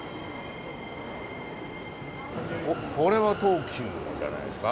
これは東急じゃないですか。